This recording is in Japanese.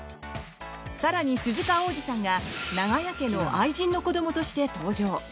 更に鈴鹿央士さんが長屋家の愛人の子供として登場。